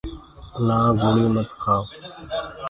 نآ گُݪيٚ مت کهآوو۔